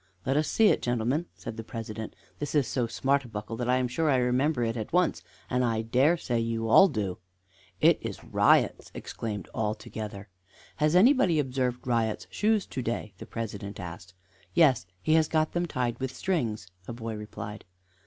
"Let us see it Gentlemen," said the President, "this is so smart a buckle that I am sure I remember it at once, and I dare say you all do." "It is Riot's!" exclaimed all together. "Has anybody observed Riot's shoes to day?" the President asked. "Yes; he has got them tied with strings," a boy replied.